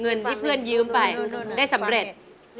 เงินที่เพื่อนยืมไปได้สำเร็จ